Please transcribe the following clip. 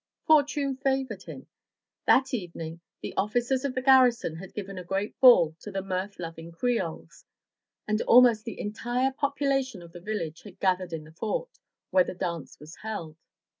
Fortune favored him. That evening the officers of the garrison had given a great ball to the mirth loving Creoles, and almost the entire population of the village had gathered in the fort, where the dance was held.